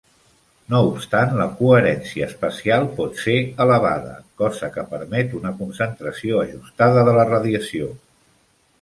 No obstant, la coherència espacial pot ser elevada, cosa que permet una concentració ajustada de la radiació.